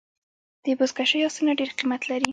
د بزکشۍ آسونه ډېر قیمت لري.